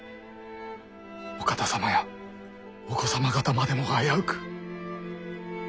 お方様やお子様方までもが危うく。